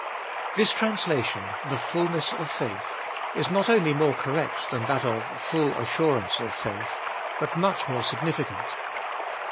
THIS translation, the fulness of faith, is not only more correct than that of, full assurance of faith, but much more significant.